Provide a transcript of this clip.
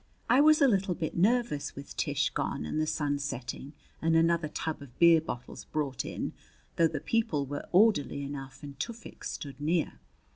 I was a little bit nervous with Tish gone and the sun setting and another tub of beer bottles brought in though the people were orderly enough and Tufik stood near.